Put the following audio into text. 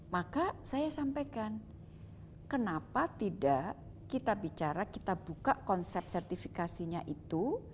maka saya sampaikan kenapa tidak kita bicara kita buka konsep sertifikasinya itu